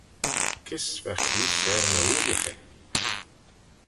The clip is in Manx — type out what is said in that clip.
Kys va Creest er ny ooillaghey?